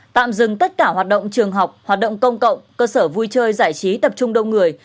tạm dừng tất cả hoạt động trường học hoạt động công cộng cơ sở vui chơi giải trí tập trung đông người